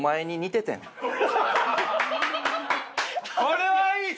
これはいい！